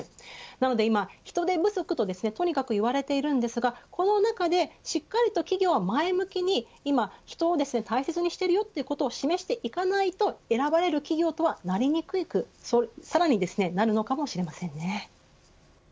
なので今、人手不足ととにかく言われているんですがこの中でしっかりと企業は前向きに今、人を大切にしているよということを示していかないと選ばれる企業とはなりにくくさらに、なるのかもしれません。